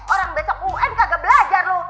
orang besok un kagak belajar loh